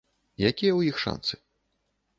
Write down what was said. Якія ў іх шанцы?